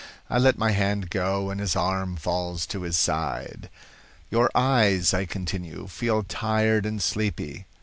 I let my hand go and his arm falls to his side. "'Your eyes,' I continue, 'feel tired and sleepy.